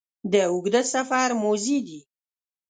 د اوږده سفر موزې دي